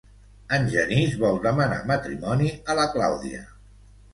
En Genís vol demanar matrimoni a la Claudia.